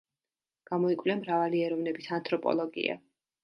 გამოიკვლია მრავალი ეროვნების ანთროპოლოგია.